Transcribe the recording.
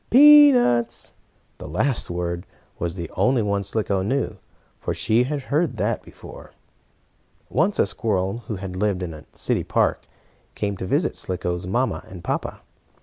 and "peanuts!" The last word was the only one Slicko knew, for she had heard that before. Once a squirrel who had lived in a city park came to visit Slicko's mamma and papa.